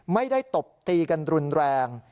ไม่ได้ตบตีกันรุนแรง